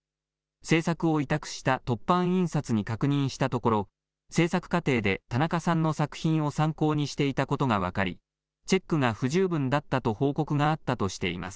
制作を委託した凸版印刷に確認したところ、制作過程でたなかさんの作品を参考にしていたことが分かり、チェックが不十分だったと報告があったとしています。